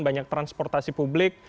banyak transportasi publik